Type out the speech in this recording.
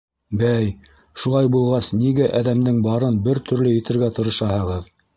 Бәй, шулай булғас, нигә әҙәмдең барын бер төрлө итергә тырышаһығыҙ?!